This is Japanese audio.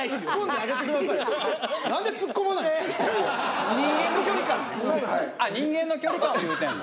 あっ人間の距離感で言うてんの？